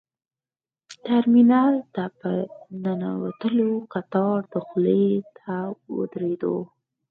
ترمینل ته په ننوتلو کتار دخولي ته ودرېدو.